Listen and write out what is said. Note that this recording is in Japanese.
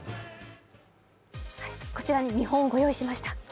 こちらに見本をご用意しました。